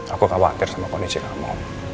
aku khawatir sama kondisi kamu